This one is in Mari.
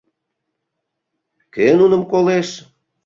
Кӧ нуным колеш?